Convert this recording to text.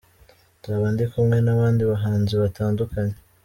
Nzaba ndi kumwe n’abandi bahanzi batandukanye.